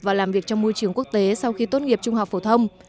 và làm việc trong môi trường quốc tế sau khi tốt nghiệp trung học phổ thông